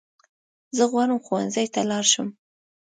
زه غواړم ښوونځی ته لاړ شم